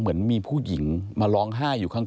เหมือนมีผู้หญิงมาร้องไห้อยู่ข้าง